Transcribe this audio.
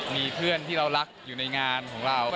มีเพื่อนที่เรารักอยู่ในงานของเรา